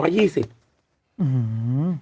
หือ